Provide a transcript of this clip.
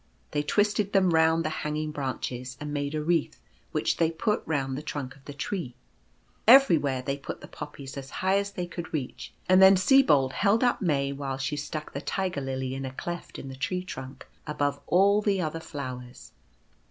They twisted them round the hanging branches, and made a wreath, which they put round the trunk of the tree. Everywhere they put the Poppies as high as they could reach, and then Sibold held up May while she stuck the Tiger lily in a cleft in the tree trunk above all the other flowers.